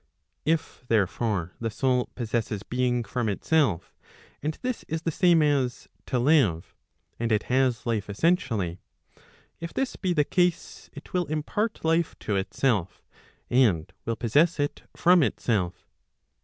Tf therefore the soul possesses being from itself, and this is the same as to live , and it has life essentially;—if this be the case, it will impart life to itself, and will possess it from itself.